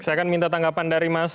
saya akan minta tanggapan dari mas